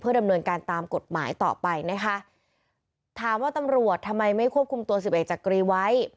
ดำเนินการตามกฎหมายต่อไปนะคะถามว่าตำรวจทำไมไม่ควบคุมตัวสิบเอกจักรีไว้